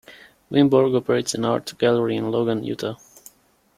Winborg operates an art gallery in Logan, Utah.